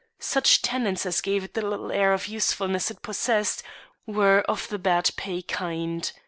Such tenants as gave it the little air of usefulness it possessed were of the bad pay kind.